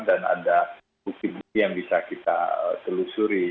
dan ada bukti bukti yang bisa kita telusuri